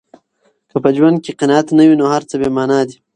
که په ژوند کې قناعت نه وي، نو هر څه بې مانا دي.